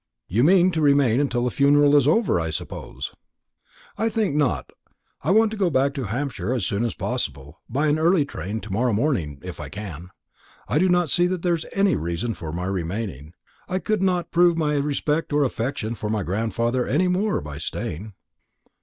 "You mean to remain until the funeral is over, I suppose?" "I think not; I want to go back to Hampshire as soon as possible by an early train to morrow morning, if I can. I do not see that there is any reason for my remaining. I could not prove my respect or affection for my grandfather any more by staying."